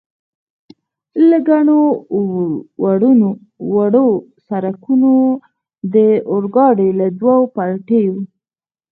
له ګڼو وړو سړکونو، د اورګاډي له دوو پټلیو.